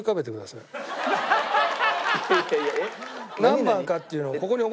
何番かっていうのをここに。